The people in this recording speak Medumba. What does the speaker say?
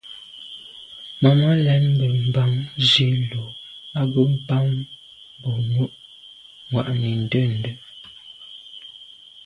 Màmá lɛ̀n mbə̄ mbǎŋ zí lú à gə́ bɑ̌m bú nǔ mwà’nì ndə̂ndə́.